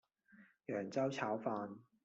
揚州炒飯